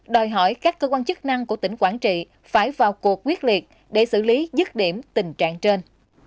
đòi hỏi các cơ quan chức năng của tỉnh quảng trị phải vào cuộc quyết liệt để xử lý dứt điểm tình trạng trên